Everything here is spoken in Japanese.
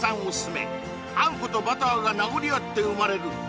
オススメあんことバターが殴り合って生まれる